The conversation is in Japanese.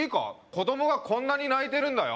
子供がこんなに泣いてるんだよ